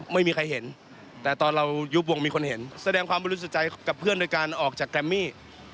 ไม่มีใครเห็นแต่ตอนเรายุบวงมีคนเห็นแสดงความบริสุทธิ์ใจกับเพื่อนโดยการออกจากแกรมมี่